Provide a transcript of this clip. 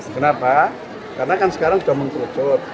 kenapa karena kan sekarang sudah mengkerucut